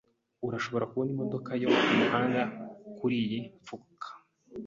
Urashobora kubona imodoka yo kumuhanda kuriyi mfuruka.